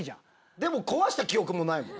でも壊した記憶もないもん。